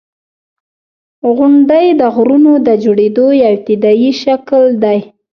• غونډۍ د غرونو د جوړېدو یو ابتدایي شکل دی.